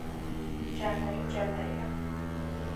ჯანაი ჯანაია